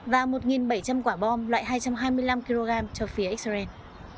và một bảy trăm linh quả bom loại hai trăm hai mươi năm kg cho phía israel